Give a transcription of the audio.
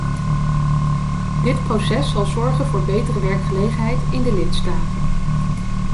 Dit proces zal zorgen voor betere werkgelegenheid in de lidstaten.